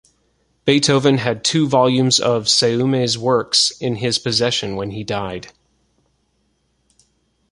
Beethoven had two volumes of Seume's works in his possession when he died.